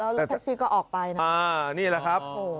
แล้วรถแท็กซี่ก็ออกไปนะ